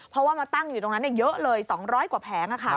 เพราะว่ามาตั้งอยู่ตรงนั้นเยอะเลย๒๐๐กว่าแผง